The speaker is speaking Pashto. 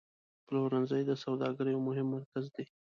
پلورنځی د سوداګرۍ یو مهم مرکز دی.